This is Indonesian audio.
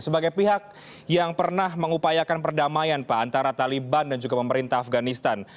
sebagai pihak yang pernah mengupayakan perdamaian pak antara taliban dan juga pemerintah afganistan